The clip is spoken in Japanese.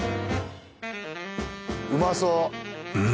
うまそうっ